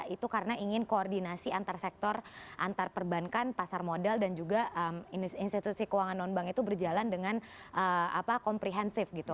itu karena ingin koordinasi antar sektor antar perbankan pasar modal dan juga institusi keuangan non bank itu berjalan dengan komprehensif gitu